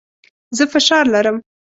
زه فشار لرم.